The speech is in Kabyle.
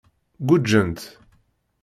Guǧǧent.